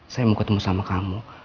saya mau ketemu sama kamu